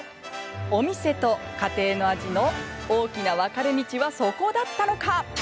お店と家庭の味の大きな分かれ道はそこだったのか